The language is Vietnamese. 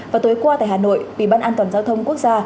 và tối qua tại hà nội bộ an toàn giao thông quốc gia